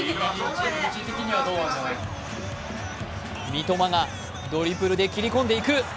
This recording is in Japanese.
三笘がドリブルで切り込んでいく。